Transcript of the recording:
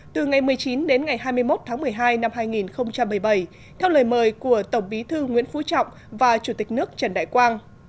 từ ngày một mươi chín đến ngày hai mươi một tháng một mươi hai năm hai nghìn một mươi bảy theo lời mời của tổng bí thư nguyễn phú trọng và chủ tịch nước trần đại quang